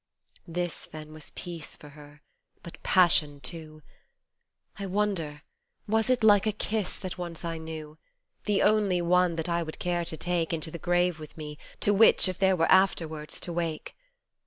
This, then was peace for her, but passion too. I wonder was it like a kiss that once I knew, The only one that I would care to take Into the grave with me, to which if there were afterwards, to wake.